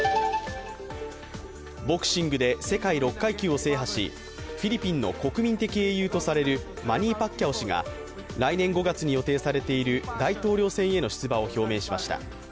ボクシングで世界６階級を制覇しフィリピンの国民的英雄とされるマニー・パッキャオ氏が来年５月に予定されている大統領選への出馬を表明しました。